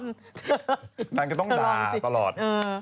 สิท่านจะต้องด่าตลอด